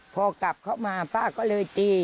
พอกลับเข้ามาป้าก็เลยตี